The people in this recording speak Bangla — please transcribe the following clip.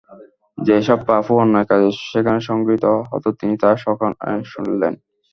যে সব পাপ ও অন্যায় কাজ সেখানে সংঘঠিত হত তিনি তা স্বকানে শুনলেন।